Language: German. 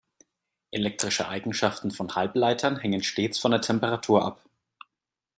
Elektrische Eigenschaften von Halbleitern hängen stets von der Temperatur ab.